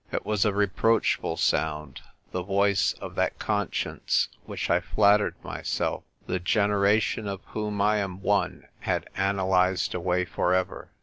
It was a reproachful sound — the voice of that conscience which I flattered myself the 228 THE TYPE WRITER GIRL. generation of whom I am one had analysed away for ever.